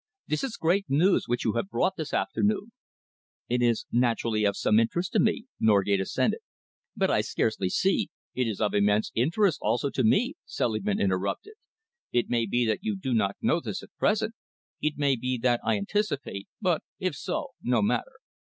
This is great news which you have brought this afternoon." "It is naturally of some interest to me," Norgate assented, "but I scarcely see " "It is of immense interest, also, to me," Selingman interrupted. "It may be that you do not know this at present. It may be that I anticipate, but if so, no matter.